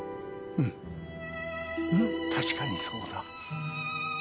うん確かにそうだ。